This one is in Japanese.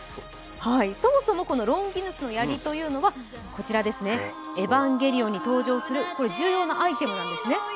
そもそも、このロンギヌスの槍というのは、「エヴァンゲリオン」に登場する重要なアイテムなんですね。